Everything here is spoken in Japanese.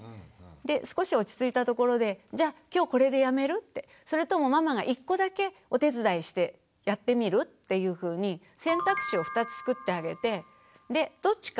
で少し落ち着いたところで「じゃあ今日これでやめる？」って「それともママが１個だけお手伝いしてやってみる？」っていうふうに選択肢を２つつくってあげてでどっちかを自分で選んでもらう。